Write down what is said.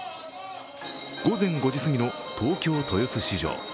午前５時すぎの東京・豊洲市場。